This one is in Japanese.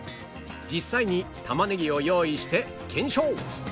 実際に玉ねぎを用意して検証